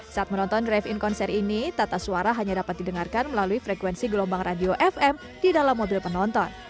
saat menonton drive in konser ini tata suara hanya dapat didengarkan melalui frekuensi gelombang radio fm di dalam mobil penonton